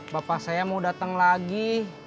bapak saya mau datang lagi